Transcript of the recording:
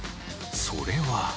それは。